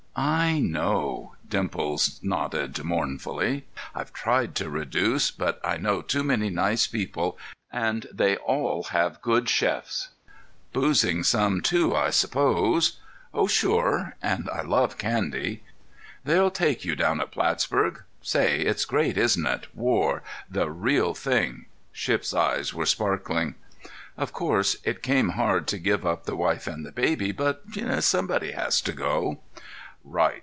"I know," Dimples nodded mournfully. "I've tried to reduce, but I know too many nice people, and they all have good chefs." "Boozing some, too, I suppose?" "Oh, sure! And I love candy." "They'll take you down at Plattsburg. Say! It's great, isn't it? War! The real thing!" Shipp's eyes were sparkling. "Of course it came hard to give up the wife and the baby, but—somebody has to go." "Right!